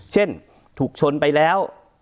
เช่นถูกชนไปแล้ว